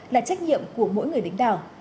là trách nhiệm của mỗi người lính đảo